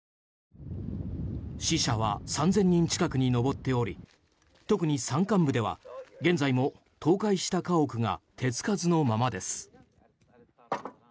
死者は３０００人近くに上っており特に山間部では現在も倒壊した家屋が手つかずのままです。